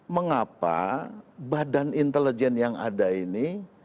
mengapa badan intelijen yang ada ini